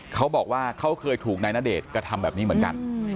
เขาบอกว่าเขาเคยถูกนายณเดชน์กระทำแบบนี้เหมือนกัน